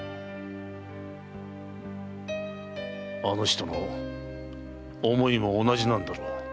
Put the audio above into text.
あの人も思いは同じなんだろう。